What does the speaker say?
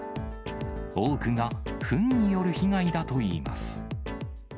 多くがふんによる被害だといいます。